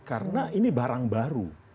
karena ini barang baru